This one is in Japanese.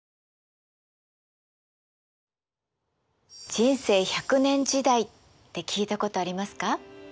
人生１００年時代って聞いたことありますか？